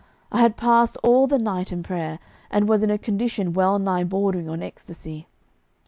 I had passed all the night in prayer, and was in a condition wellnigh bordering on ecstasy.